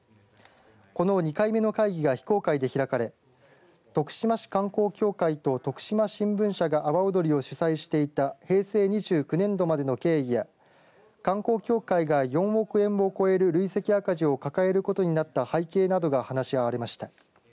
この２回目の会議が非公開で開かれ徳島市観光協会と徳島新聞社が阿波おどりを主催していた平成２９年度までの経緯や観光協会が４億円を超える累積赤字を抱えることになった背景などが話し合われました。